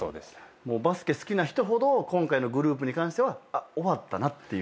バスケ好きな人ほど今回のグループに関しては終わったなっていう。